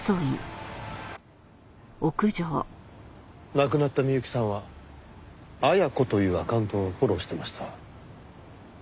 亡くなった美由紀さんは「Ａｙａｋｏ」というアカウントをフォローしてました。